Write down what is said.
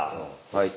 はい。